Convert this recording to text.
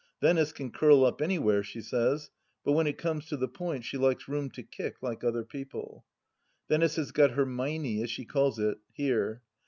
Venice can curl up anywhere, she says, but when it comes to the point she likes room to kick, like other people, Venice has got her Meinie, as she calls it, here.